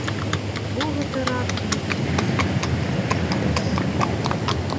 Хто гэта рад, калі б'юць, добры інтэрас!